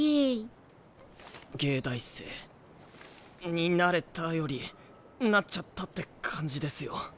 藝大生に「なれた」より「なっちゃった」って感じですよ。